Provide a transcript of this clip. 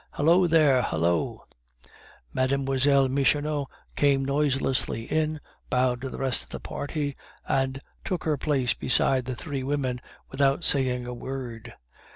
"Hallo there! hallo!" Mlle. Michonneau came noiselessly in, bowed to the rest of the party, and took her place beside the three women without saying a word.